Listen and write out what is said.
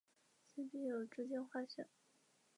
长触合跳蛛为跳蛛科合跳蛛属的动物。